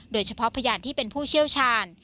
โดยเฉพาะพยานที่เป็นผู้เชี่ยวชาญ